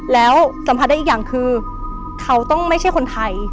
แล้วสัมผัสได้อีกอย่างคือเขาต้องไม่ใช่คนไทย